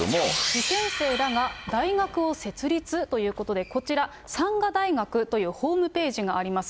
受験生らが大学を設立？ということで、こちら、山河大学というホームページがあります。